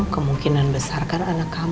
kemungkinan besarkan anak kamu